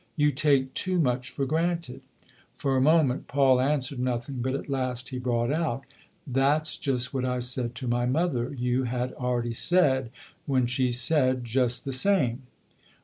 "You take too much for granted." For a moment Paul answered nothing, but at last he brought out :" That's just what I said to my mother you had already said when she said just the same."